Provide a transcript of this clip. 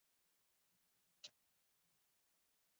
福州苎麻为荨麻科苎麻属下的一个变种。